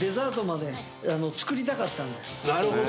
なるほど。